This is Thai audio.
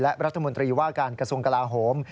และรัฐมนตรีว่าการกระทรวงกลาโหม